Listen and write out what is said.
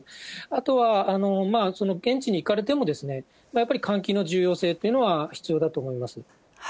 あとは現地に行かれても、やっぱり換気の重要性というのは必要だと思います。